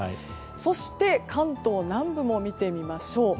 そして、関東南部も見てみましょう。